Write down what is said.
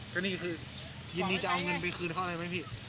ก็นี่คือยินดีจะเอาเงินไปคืนเขาอะไรไหมพี่